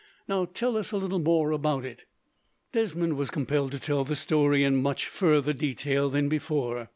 Now, tell us a little more about it." Desmond was compelled to tell the story in much further detail than before.